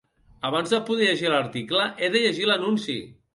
Abans de poder llegir l'article he de llegir l'anunci.